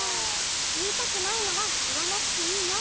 「いいたくないならいわなくていいよ。